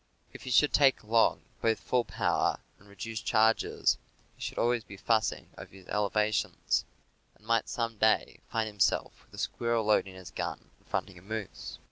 If he should take along both full power and reduced charges, he would always be fussing over his elevations, and he might some day find himself with a squirrel load in his gun, confronting a moose.